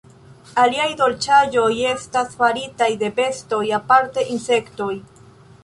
Aliaj dolĉaĵoj estas faritaj de bestoj, aparte insektoj.